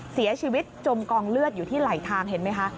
เสียชีวิตจมกองเลือดอยู่ที่ไหลทางเห็นไหมคะ